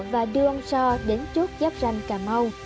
và đưa ông so đến chốt giáp ranh cà mau